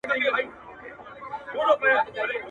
o بخت په ټنډه دئ، نه په منډه.